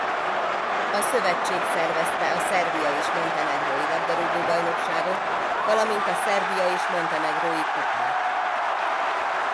A szövetség szervezte a Szerbia és Montenegró-i labdarúgó-bajnokságot valamint a Szerbia és Montenegró-i kupát.